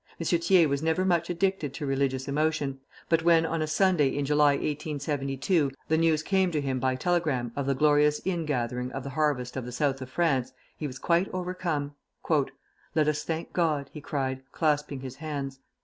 M. Thiers was never much addicted to religious emotion; but when, on a Sunday in July, 1872, the news came to him by telegram of the glorious ingathering of the harvest in the South of France, he was quite overcome. "Let us thank God," he cried, clasping his hands.